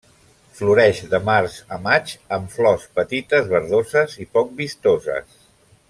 Floreix de març a maig amb flors petites verdoses i poc vistoses.